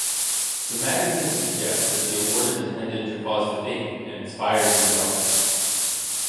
The magazine suggests that the award is intended to cause debate and inspire redevelopment.